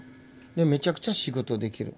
めちゃくちゃ仕事できる。